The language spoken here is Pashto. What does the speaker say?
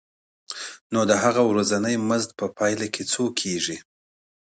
نو د هغه ورځنی مزد په پایله کې څومره کېږي